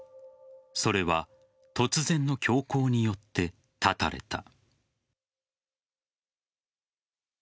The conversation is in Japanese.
それは突然の凶行によって絶たれた。